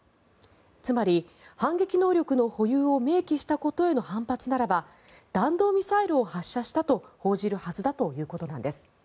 つまり、反撃能力の保有を明記したことへの反発ならば弾道ミサイルを発射したと報じるはずだということです。